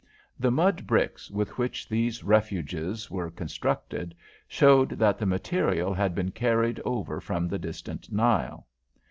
The mud bricks with which these refuges were constructed showed that the material had been carried over from the distant Nile.